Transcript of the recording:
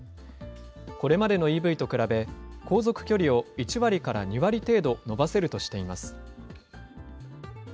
これまでのＥＶと比べ、航続距離を１割から２割程度伸ばせるとしています。